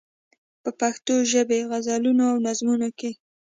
په پښتو ژبې غزلونو او نظمونو کې.